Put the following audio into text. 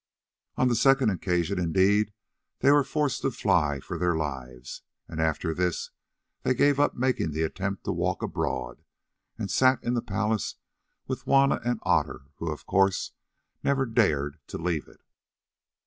On the second occasion indeed they were forced to fly for their lives, and after this they gave up making the attempt to walk abroad, and sat in the palace with Juanna and Otter, who of course never dared to leave it.